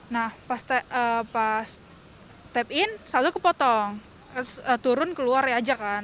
nah pas tap in satu kepotong turun keluar ya aja kan